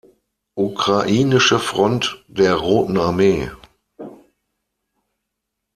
Ukrainische Front der Roten Armee.